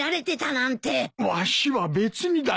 わしは別にだな。